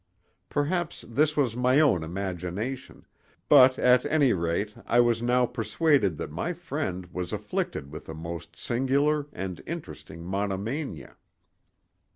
Perhaps this was my own imagination, but at any rate I was now persuaded that my friend was afflicted with a most singular and interesting monomania.